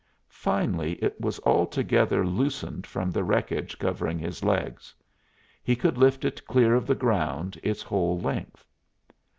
Finally it was altogether loosened from the wreckage covering his legs; he could lift it clear of the ground its whole length.